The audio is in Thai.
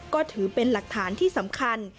ก็ถือเป็นหลักฐานที่สำคัญ